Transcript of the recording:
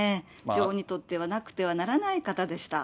女王にとっては、なくてはならない方でした。